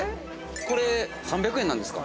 ◆これ、３００円なんですか。